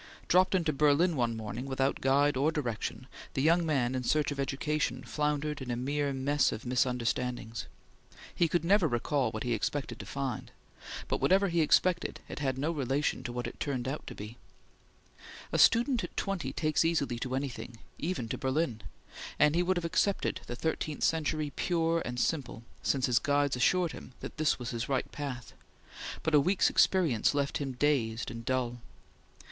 Dropped into Berlin one morning without guide or direction, the young man in search of education floundered in a mere mess of misunderstandings. He could never recall what he expected to find, but whatever he expected, it had no relation with what it turned out to be. A student at twenty takes easily to anything, even to Berlin, and he would have accepted the thirteenth century pure and simple since his guides assured him that this was his right path; but a week's experience left him dazed and dull.